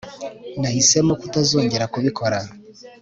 nahisemo kutazongera kubikora